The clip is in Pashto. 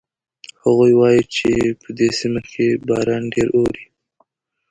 هغوی وایي چې په دې سیمه کې باران ډېر اوري